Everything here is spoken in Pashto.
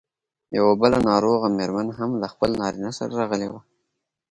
یوه بله ناروغه مېرمن هم له خپل نارینه سره راغلې وه.